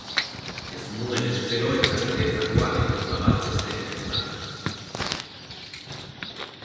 Ez nuen espero eta niretzako anekdota bat besterik ez da.